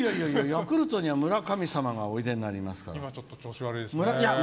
ヤクルトには村神様おいでになりますから。